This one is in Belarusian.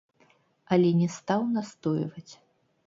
Але не стаў настойваць.